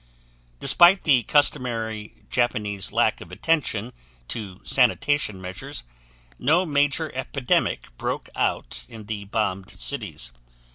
Despite the customary Japanese lack of attention to sanitation measures, no major epidemic broke out in the bombed cities.